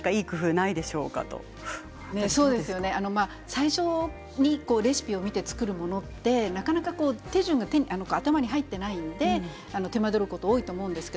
最初にレシピを見て作るものって手順が頭に入っていないので手間取ること、多いと思います。